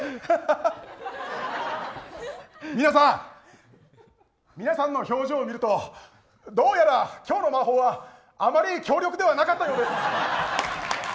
皆さん、皆さんの表情を見るとどうやら今日の魔法はあまり強力な魔法ではなかったようです。